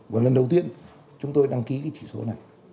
và lần đầu tiên chúng tôi đăng ký cái chỉ số này